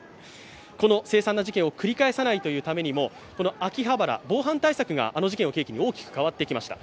この凄惨な事件を繰り返さないというためにも、この秋葉原、防犯カメラがあの事件を契機に大きく変わってきました。